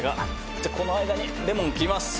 じゃあこの間にレモンを切ります」